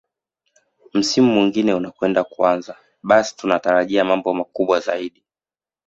Msimu mwingine unakwenda kuanza hivyo basi tunatarajia mambo makubwa zaidi